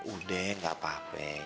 udah gak apa apa